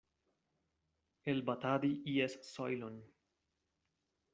Elbatadi ies sojlon.